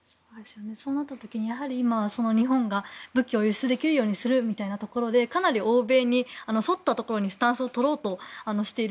そうなった時にやはり今、日本が武器を輸出できるようにするということでかなり欧米に沿ったところにスタンスをとろうとしている。